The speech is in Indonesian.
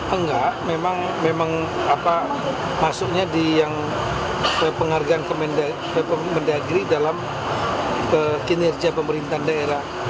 enggak memang masuknya di yang penghargaan kemendagri dalam kinerja pemerintahan daerah